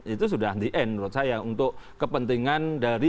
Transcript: itu sudah di end menurut saya untuk kepentingan dari